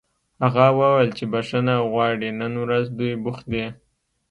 هغه وویل چې بښنه غواړي نن ورځ دوی بوخت دي